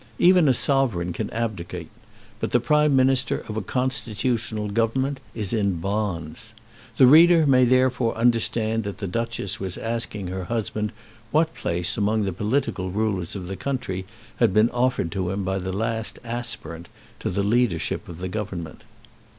Even a sovereign can abdicate; but the Prime Minister of a constitutional government is in bonds. The reader may therefore understand that the Duchess was asking her husband what place among the political rulers of the country had been offered to him by the last aspirant to the leadership of the Government.